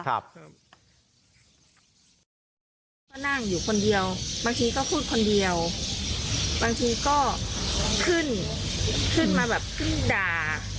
ก็นั่งอยู่คนเดียวบางทีก็พูดคนเดียวบางทีก็ขึ้นขึ้นมาแบบขึ้นด่า